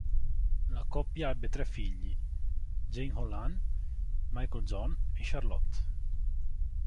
La coppia ebbe tre figli: Jane Holland, Michael John e Charlotte.